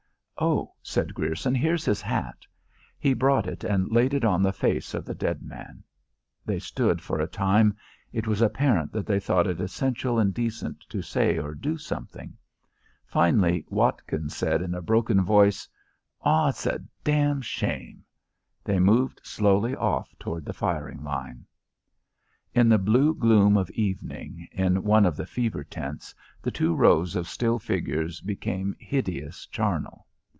"Oh," said Grierson, "here's his hat." He brought it and laid it on the face of the dead man. They stood for a time. It was apparent that they thought it essential and decent to say or do something. Finally Watkins said in a broken voice, "Aw, it's a dam shame." They moved slowly off toward the firing line. In the blue gloom of evening, in one of the fever tents, the two rows of still figures became hideous, charnel.